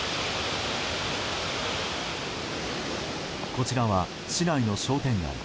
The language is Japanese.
こちらは、市内の商店街。